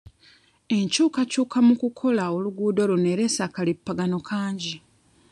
Enkyukakyuka mu kukola oluguudo luno ereese akalipagano kangi.